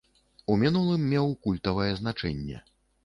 У мінулым меў культавае значэнне.